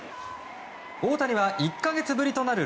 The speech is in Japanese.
大谷は１か月ぶりとなる